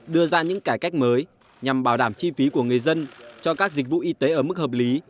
đưa ra những cải cách mới nhằm bảo đảm chi phí của người dân cho các dịch vụ y tế ở mức hợp lý